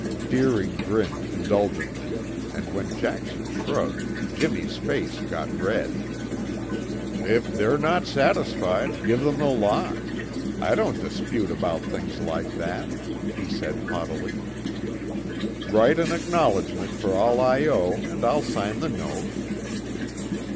Deering grinned indulgently, and when Jackson shrugged, Jimmy's face got red. "If they're not satisfied, give them the lot; I don't dispute about things like that," he said haughtily. "Write an acknowledgment for all I owe and I'll sign the note."